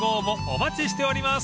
お待ちしております］